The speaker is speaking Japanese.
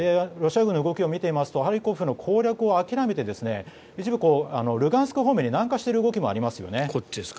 ロシア軍の動きを見ていますとハリコフの攻略を諦めて一部、ルガンスク方面に南下している動きもありますよね。